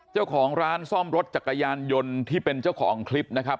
เจ้าของร้านซ่อมรถจักรยานยนต์ที่เป็นเจ้าของคลิปนะครับ